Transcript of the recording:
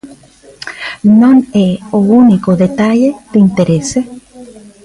Non é o único detalle de interese.